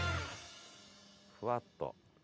ふわっと。